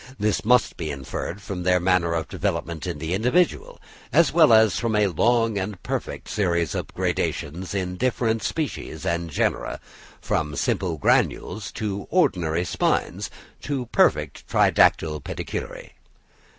This may be inferred from their manner of development in the individual, as well as from a long and perfect series of gradations in different species and genera, from simple granules to ordinary spines, to perfect tridactyle pedicellariæ.